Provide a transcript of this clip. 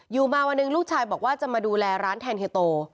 อยู่มาวันหนึ่งลูกชายบอกว่าจะมาดูแลร้านแทนเฮียโต